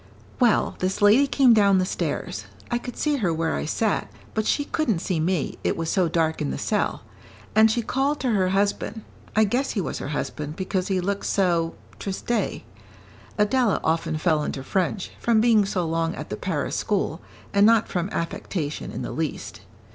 "Well, this lady came down the stairs. I could see her where I sat, but she couldn't see me, it was so dark in the cell; and she called to her husband I guess he was her husband, because he looked so triste." Adela often fell into French, from being so long at the Paris school, and not from affectation in the least.